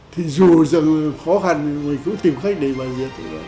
thì dù dần khó khăn người cứ tìm khách để bài diệt